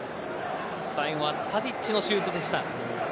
最後はタディッチのシュートでした。